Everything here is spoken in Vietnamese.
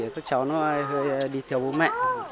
các cháu hơi đi theo bố mẹ